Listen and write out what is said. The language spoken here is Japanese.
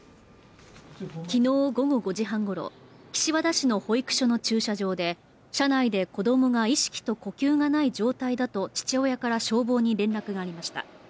昨日午後５時半ごろ、岸和田市のほ駆除の駐車場で車内で子供が意識と呼吸がない状態だと父親から消防に連絡がありました。